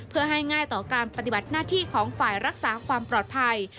เพื่อให้ง่ายต่อการปฏิบัติหน้าที่ของฝ่ายรักษาความปลอดภัย